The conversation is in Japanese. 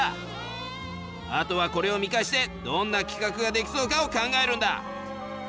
あとはこれを見返してどんな企画ができそうかを考えるんだ。